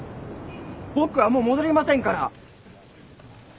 僕はもう戻りませんから！